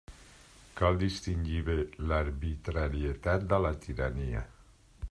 Cal distingir bé l'arbitrarietat de la tirania.